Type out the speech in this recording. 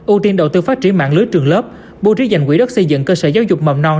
ưu tiên đầu tư phát triển mạng lưới trường lớp bố trí dành quỹ đất xây dựng cơ sở giáo dục mầm non